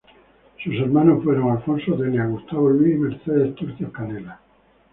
Sus hermanos fueron: Alfonso, Delia, Gustavo, Luis y Mercedes Turcios Canelas.